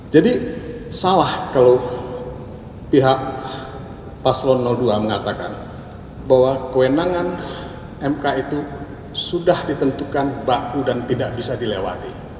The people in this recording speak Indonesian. jadi salah kalau pihak paslon dua mengatakan bahwa kewenangan mk itu sudah ditentukan baku dan tidak bisa dilewati